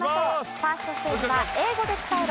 ファーストステージは英語で伝えろ！